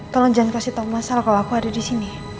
tolong jangan kasih tau masalah kalo aku ada disini